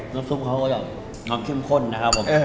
น้ำซุปเขาก็จะน้ำเข้มข้นนะครับผม